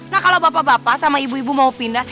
nah kalau bapak bapak sama ibu ibu mau pindah